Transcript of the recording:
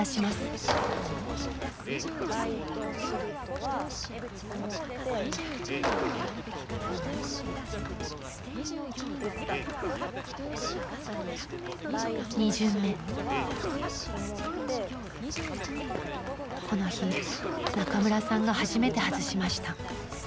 この日中村さんが初めて外しました。